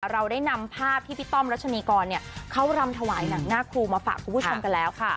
เราได้นำภาพที่พี่ต้อมรัชนีกรเขารำถวายหนังหน้าครูมาฝากคุณผู้ชมกันแล้วค่ะ